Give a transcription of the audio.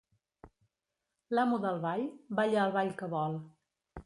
L'amo del ball, balla el ball que vol.